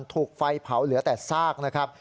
ถูกไฟเผาเหลือแต่ซากนะครับ